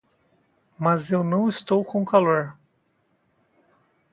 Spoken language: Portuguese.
Mas eu não estou com calor.